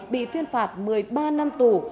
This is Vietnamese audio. bị tuyên phạt một mươi ba năm tù